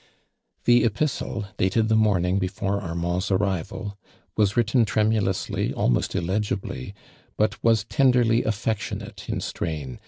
Tho epistle, dated the morning before Armaud's arrival, was written tremu lously, almost illegiljly, but, was tenderly )i;!(.i;tion'ito in strain